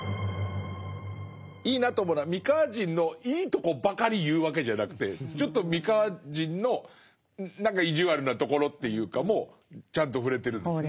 いいなと思うのは三河人のいいとこばかり言うわけじゃなくてちょっと三河人の何か意地悪なところというかもちゃんと触れてるんですね。